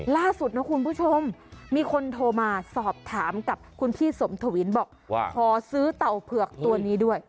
ล่าสุดนะคุณผู้ชมมีคนโทรมาสอบถามกับคุณพี่สมทวินบอกว่าขอซื้อเต่าเผือกตัวนี้ด้วย